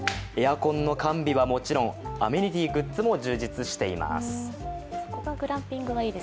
エアコンの完備はもちろん、アメニティグッズも充実しています。